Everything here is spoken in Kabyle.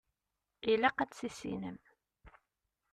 Ilaq ad tt-tissinem.